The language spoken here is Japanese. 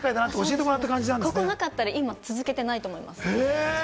ここがなかったら今続けてないと思います。